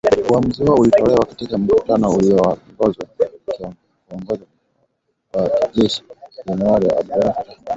uamuzi huo ulitolewa katika mkutano ulioongozwa na kiongozi wa kijeshi , generali Abdel Fattah al- Burhan